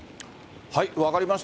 分かりました。